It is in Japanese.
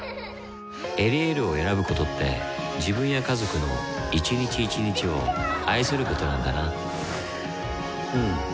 「エリエール」を選ぶことって自分や家族の一日一日を愛することなんだなうん。